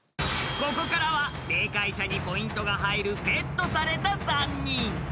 ［ここからは正解者にポイントが入るベットされた３人］